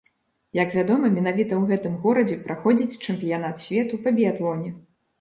Як вядома, менавіта ў гэтым горадзе праходзіць чэмпіянат свету па біятлоне.